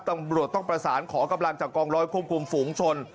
ตำรวจต้องประสานขอกำลังจากกองร้อยควบคุมฝูงชน